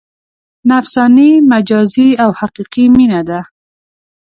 نفساني، مجازي او حقیقي مینه ده.